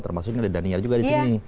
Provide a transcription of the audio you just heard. termasuknya ada daniel juga disini